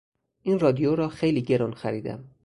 این رادیو را خیلی گران خریدم.